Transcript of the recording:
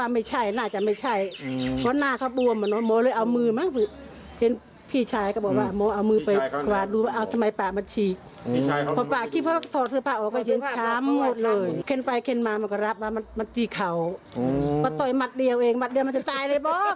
มาต่อยหมัดเดียวเองหมัดเดียวมันจะจ่ายเลยบอก